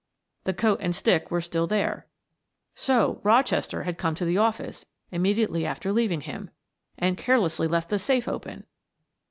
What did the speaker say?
The coat and stick were still there; so Rochester had come to the office immediately after leaving him, and carelessly left the safe open!